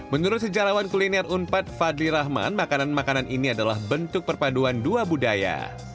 menurut sejarawan kuliner unpad fadli rahman makanan makanan ini adalah bentuk perpaduan dua budaya